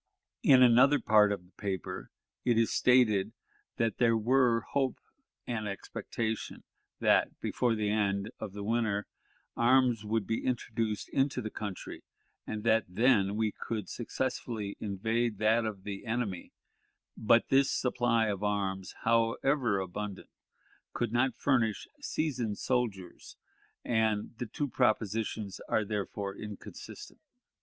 In another part of the paper it is stated that there were hope and expectation that, before the end of the winter, arms would be introduced into the country, and that then we could successfully invade that of the enemy; but this supply of arms, however abundant, could not furnish "seasoned soldiers," and the two propositions are therefore inconsistent.